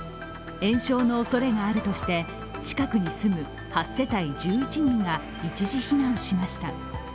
延焼のおそれがあるとして、近くに住む８世帯１１人が一時避難しました。